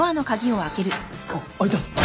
あっ開いた。